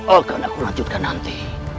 akan aku lanjutkan nanti